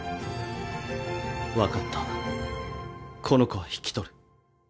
分かったこの子は引き取る。